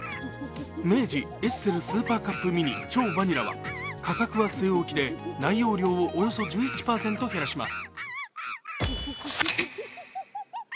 明治エッセルスーパーカップミニ超バニラは、価格は据え置きで内容量をおよそ１１％減らします。